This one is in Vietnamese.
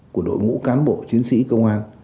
của đội ngũ cán bộ chiến sĩ công an